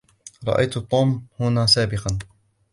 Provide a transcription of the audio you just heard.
رأيت توم هنا سابقا.